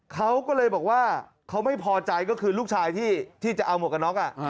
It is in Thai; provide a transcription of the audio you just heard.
เขาก็เลยบอกว่าเขาไม่พอใจก็คือลูกชายที่จะเอาหมวกกันน็อก